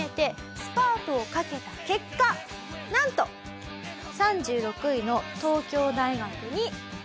スパートをかけた結果なんと３６位の東京大学に合格。